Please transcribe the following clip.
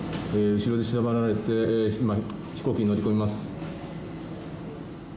後ろで縛られて飛行機に乗り込みます。